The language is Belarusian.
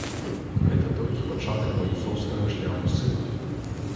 Гэта толькі пачатак байцоўскага шляху сына.